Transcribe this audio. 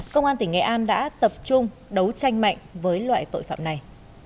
công an tỉnh nghệ an đã tập trung đấu tranh mạnh với loại tội phạm này